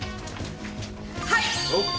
はい！